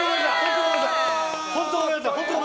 本当にごめんなさい。